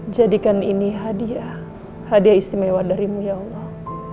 jadikan ini hadiah hadiah istimewa darimu ya allah